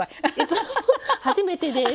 初めてです。